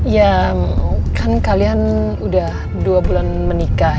ya kan kalian udah dua bulan menikah